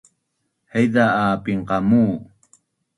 haiza a pinqamu